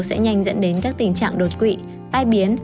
sẽ nhanh dẫn đến các tình trạng đột quỵ tai biến